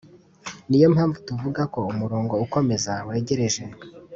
Niyompamvu tuvuga ko umurongo ukomeza wegereje.